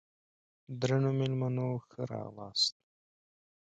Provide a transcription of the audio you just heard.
درنو مېلمنو ښه راغلاست!